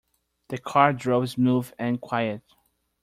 The car drove smooth and quiet.